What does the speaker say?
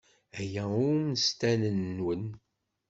Aya i ummesten-nwen.